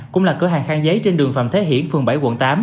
cũng là cửa hàng khang giấy trên đường phạm thế hiển phường bảy quận tám